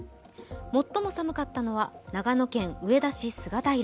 最も寒かったのは、長野県上田市菅平。